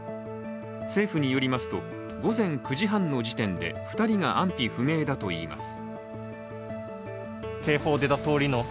政府によりますと、午前９時半の時点で２人が安否不明だといいます。